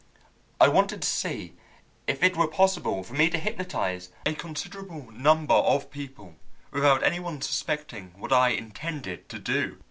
I wanted to see if it were possible for me to hypnotize a considerable number of people without any one suspecting what I intended to do.